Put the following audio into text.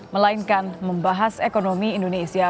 melainkan membahas ekonomi indonesia